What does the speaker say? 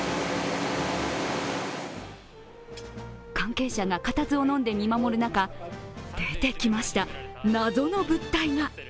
関係者が固唾をのんで見守る中、出てきました、謎の物体が。